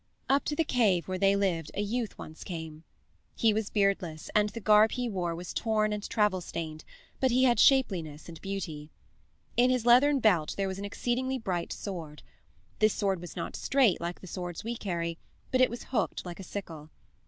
Up to the cave where they lived a youth once came. He was beardless, and the garb he wore was torn and travel stained, but he had shapeliness and beauty. In his leathern belt there was an exceedingly bright sword; this sword was not straight like the swords we carry, but it was hooked like a sickle.